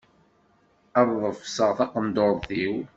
Ad ḍefseɣ taqendurt-iw.